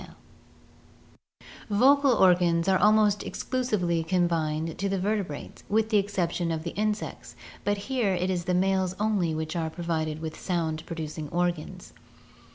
SEXUAL AND ARTIFICIAL SELECTION 119 Vocal organs are almost exclusively confined to the vertebrates, with the exception of the insects, but here it is the males only which are provided with sound producing organs.